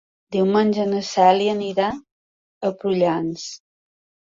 Diumenge na Cèlia anirà a Prullans.